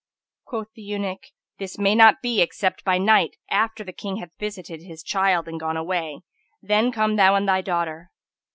Quoth the eunuch, "This may not be except by night, after the King hath visited his child and gone away; then come thou and thy daughter."